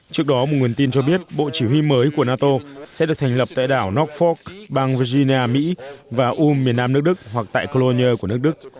trước đó một nguồn tin cho biết bộ chỉ huy mới của nato sẽ được thành lập tại đảo nokfork bang virginia mỹ và um miền nam nước đức hoặc tại colonier của nước đức